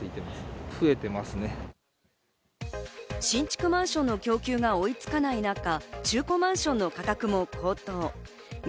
新築マンションの供給が追いつかない中、中古マンションの価格も高騰。